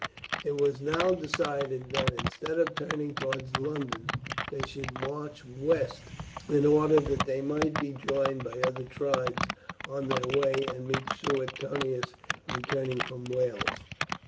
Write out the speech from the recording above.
It was now decided that instead of turning towards London they should march west in order that they might be joined by other tribes on their way and meet Suetonius returning from Wales.